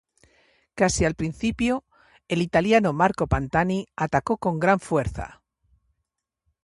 Casi al principio, el italiano Marco Pantani atacó con gran fuerza.